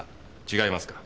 違いますか？